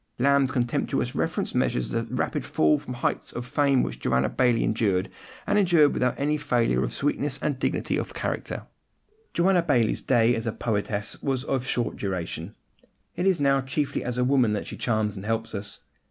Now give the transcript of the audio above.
Lamb's contemptuous reference measures the rapid fall from the heights of fame which Joanna Baillie endured, and endured without any failure of sweetness and dignity of character. Joanna Baillie's day as a poetess was of short duration: it is now chiefly as a woman that she charms and helps us.